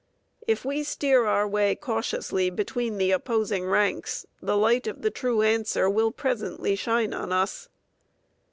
If we steer our way cautiously between the opposing ranks, the light of the true answer will presently shine on us.